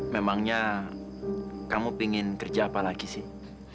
memangnya kamu ingin kerja apa lagi sih